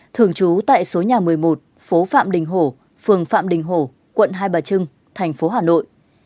thường trú tại số nhà một mươi một phố phạm đình hổ phường phạm đình hổ quận hai bà trưng thành phố hà nội